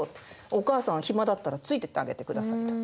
「お母さん暇だったらついていってあげてください」と。